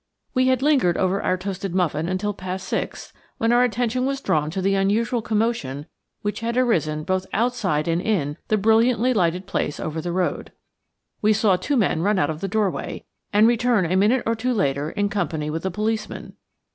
We had lingered over our toasted muffin until past six, when our attention was drawn to the unusual commotion which had arisen both outside and in the brilliantly lighted place over the road. We saw two men run out of the doorway, and return a minute or two later in company with a policeman.